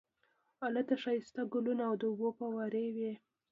هلته ښکلي ګلونه او د اوبو فوارې وې.